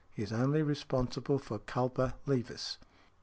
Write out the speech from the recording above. He is only responsible for culpa levis .